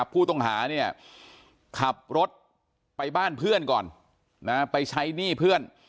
ผู้ต้องหาเนี่ยขับรถไปบ้านเพื่อนก่อนไปใช้หนี้เพื่อน